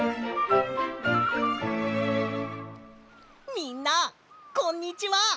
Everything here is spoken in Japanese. みんなこんにちは！